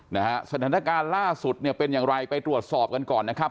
นะฮะสถานการณ์ล่าสุดเนี่ยเป็นอย่างไรไปตรวจสอบกันก่อนนะครับ